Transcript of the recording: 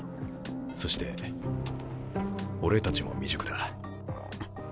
そして俺たちも未熟だ。